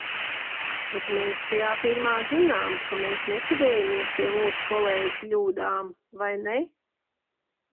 Bet mēs šajā firmā zinām, ka mēs nekavējamies pie mūsu kolēģu kļūdām, vai ne?